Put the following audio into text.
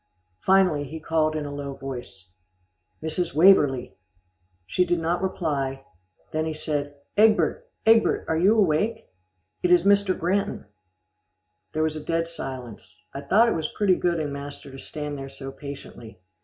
Finally he called in a low voice, "Mrs. Waverlee!" She did not reply, then he said, "Egbert, Egbert, are you awake? It is Mr. Granton." There was a dead silence. I thought it was pretty good in master to stand there so patiently.